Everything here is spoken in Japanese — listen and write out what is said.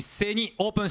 オープン。